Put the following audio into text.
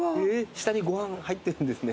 下にご飯入ってるんですね。